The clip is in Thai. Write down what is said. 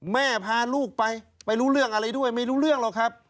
พาลูกไปไปรู้เรื่องอะไรด้วยไม่รู้เรื่องหรอกครับ